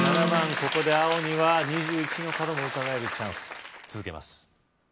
ここで青には２１の角もうかがえるチャンス続けます